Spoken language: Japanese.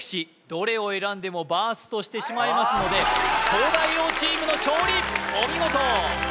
どれを選んでもバーストしてしまいますので東大王チームの勝利お見事！